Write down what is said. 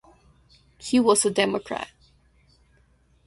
He was a Democrat.